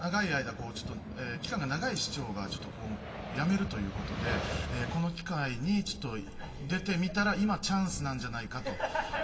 期間が長い市長が辞めるということで、この機会に出てみたら今チャンスなんじゃないかと。